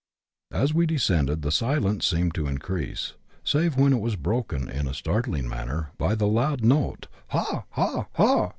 As we descended, the silence seemed to increase, save when it was broken, in a startling manner, by the loud note, ha ! ha ! ha